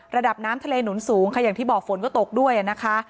ระดับน้ำทะเลหนุนสูงค่ะอย่างที่บอกฝนก็ตกด้วยนะคะ